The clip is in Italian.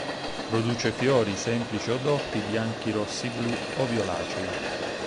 Produce fiori semplici o doppi, bianchi, rossi, blu o violacei.